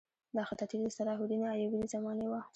دا خطاطي د صلاح الدین ایوبي د زمانې وه.